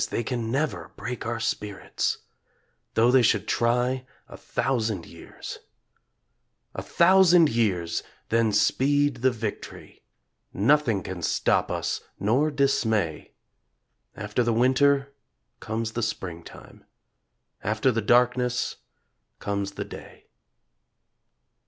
They can never break our spirits Though they should try a thousand years. CHORUS A thousand years, then speed the victory! Nothing can stop us nor dismay. After the winter comes the springtime; After the darkness comes the day.